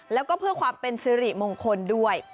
แล้วก็เพื่อความเป็นสิริมงคลด้วย